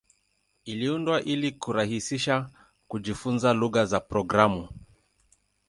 Iliundwa ili kurahisisha kujifunza lugha za programu.